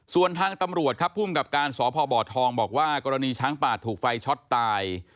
ส่วนทางตำรวจครับภูมิกับการสพบทองบอกว่ากรณีช้างป่าถูกไฟช็อตตาย